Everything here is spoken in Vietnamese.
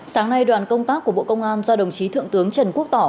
sáng nay đoàn công tác của bộ công an do đồng chí thượng tướng trần quốc tỏ